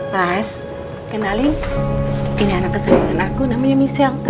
mas kenalin ini anak kesayangan aku namanya michelle